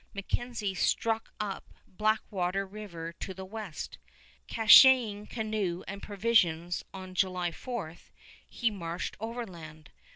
MacKenzie struck up Blackwater River to the west. Caching canoe and provisions on July 4, he marched overland.